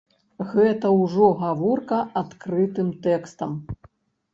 Гэта ўжо гаворка адкрытым тэкстам.